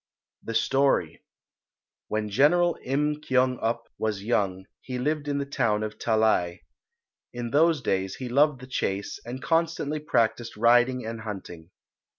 ] The Story When General Im Kyong up was young he lived in the town of Tallai. In those days he loved the chase, and constantly practised riding and hunting.